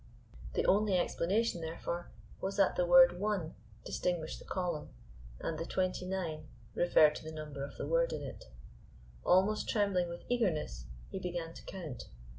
The only explanation, therefore, was that the word "One" distinguished the column, and the "twenty nine" referred to the number of the word in it. Almost trembling with eagerness he began to count.